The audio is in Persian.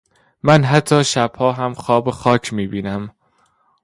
من حتا شبها هم خواب خاک میبینم